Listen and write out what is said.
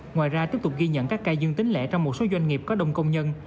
ngoài ra tiếp tục ghi nhận các ca dương tính lẻ trong một số doanh nghiệp có đông công nhân